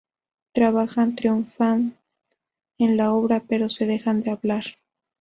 Trabajan, triunfan en la obra, pero se dejan de hablar.